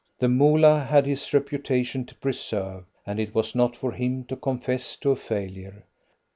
The Moolah had his reputation to preserve, and it was not for him to confess to a failure.